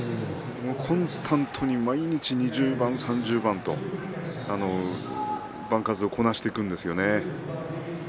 コンスタントに毎日、２０番、３０番と番数を、こなしていくんですよね。